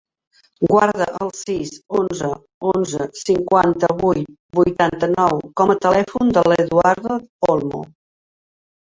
Guarda el sis, onze, onze, cinquanta-vuit, vuitanta-nou com a telèfon de l'Eduardo Olmo.